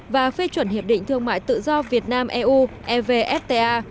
và phê chuẩn hiệp định thương mại tự do việt nam eu evfta